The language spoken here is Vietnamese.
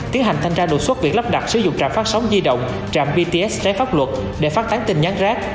tiến hành thanh tra đột xuất việc lắp đặt sử dụng trạm phát sóng di động trạm bts trái pháp luật để phát tán tin nhắn rác